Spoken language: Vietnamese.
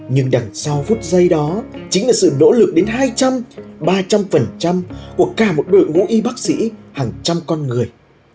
nhưng đằng sau phút giây đó chính là sự nỗ lực đến hai trăm linh ba trăm linh của cả một đội ngũ y bác sĩ hàng trăm con người